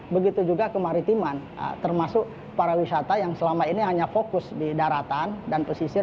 begitu juga kemaritiman termasuk para wisata yang selama ini hanya fokus di daratan dan pesisir